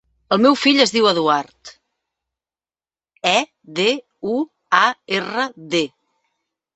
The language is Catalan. El meu fill es diu Eduard: e, de, u, a, erra, de.